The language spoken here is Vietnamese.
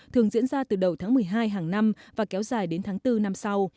thường diễn ra từ đầu tháng một mươi hai hàng năm và kéo dài đến tháng bốn năm sau